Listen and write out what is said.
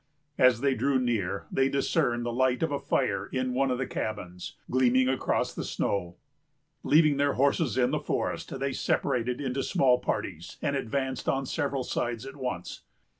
As they drew near, they discerned the light of a fire in one of the cabins, gleaming across the snow. Leaving their horses in the forest, they separated into small parties, and advanced on several sides at once.